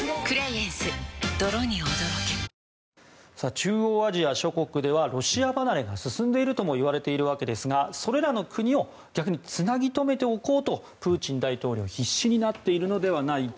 中央アジア諸国ではロシア離れが進んでいるともいわれているわけですがそれらの国を逆につなぎ止めておこうとプーチン大統領は必死になっているのではないか